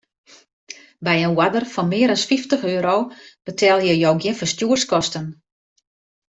By in oarder fan mear as fyftich euro betelje jo gjin ferstjoerskosten.